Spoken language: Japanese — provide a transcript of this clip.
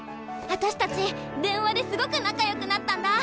あたしたち電話ですごく仲よくなったんだ！